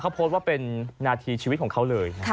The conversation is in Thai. เขาโพสต์ว่าเป็นนาทีชีวิตของเขาเลย